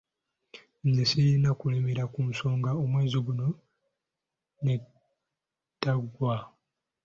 Nze siyinza kulemera ku nsonga omwezi guno neetaggwa.